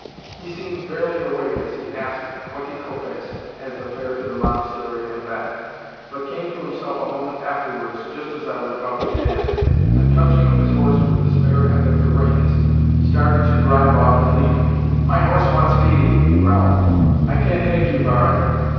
He seemed barely awake as he asked twenty copecks as the fare to the monastery and back, but came to himself a moment afterwards, just as I was about to get in, and, touching up his horse with the spare end of the reins, started to drive off and leave me. "My horse wants feeding," he growled, "I can't take you, barin.